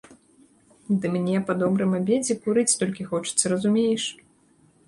Ды мне па добрым абедзе курыць толькі хочацца, разумееш?